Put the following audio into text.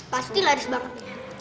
pasti laris banget